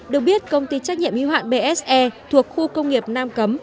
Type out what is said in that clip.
được biết công ty trách nhiệm y hoạn bse thuộc khu công nghiệp nam cấm